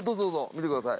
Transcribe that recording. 見てください。